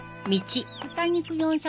「豚肉４００ｇ